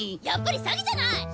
やっぱり詐欺じゃない！